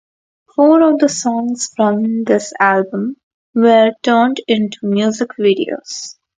Four of the songs from this album were turned into music videos.